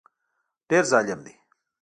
ډېر ظالم دی